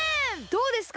どうですか？